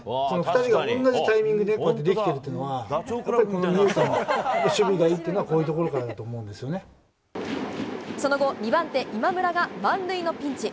２人がおんなじタイミングでできてるというのが、この二遊間の守備がいいっていうのは、こういうところかなと思うその後、２番手、今村が満塁のピンチ。